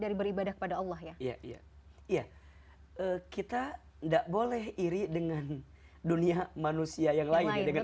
dari beribadah kepada allah ya iya kita enggak boleh iri dengan dunia manusia yang lain dengan